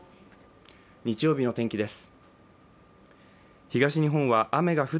日曜日の天気です。